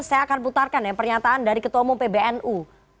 saya akan putarkan ya pernyataan dari ketua umum pbnu